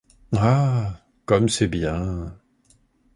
Ah ! comme c’est bien !